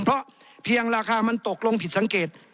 เพราะเพียงราคามันตกลงผิดสังเกต